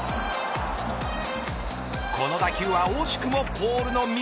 この打球は惜しくもポールの右。